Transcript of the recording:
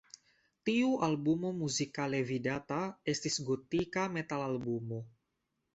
Tiu albumo muzikale vidata estis gotika metalalbumo.